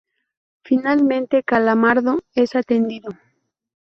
Finalmente, Calamardo, es atendido.